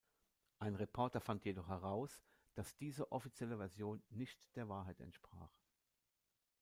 Ein Reporter fand jedoch heraus, dass diese offizielle Version nicht der Wahrheit entsprach.